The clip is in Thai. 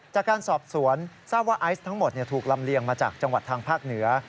จากการสอบสวนทราบว่าไอซ์ทั้งหมดถูกลำเลียงมาจากจังหวัดทางภาคเหนือ